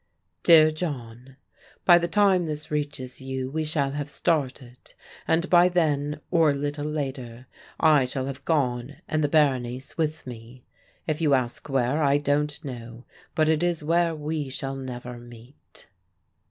"DEAR JOHN, By the time this reaches you we shall have started; and by then, or a little later, I shall have gone and the Berenice with me. If you ask where, I don't know; but it is where we shall never meet.